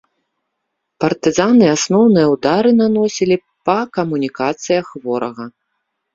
Партызаны асноўныя ўдары наносілі па камунікацыях ворага.